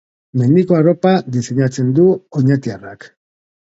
Mendiko arropa diseinatzen du oñatiarrak.